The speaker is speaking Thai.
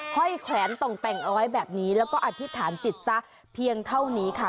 แวนต่องแต่งเอาไว้แบบนี้แล้วก็อธิษฐานจิตซะเพียงเท่านี้ค่ะ